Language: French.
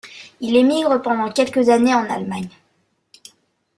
Il émigre pendant quelques années en Allemagne.